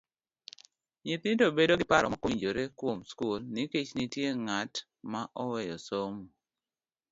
Nyithindo bedo gi paro mokowinjore kuom skul nikech nitie ng'at ma oweyo somo.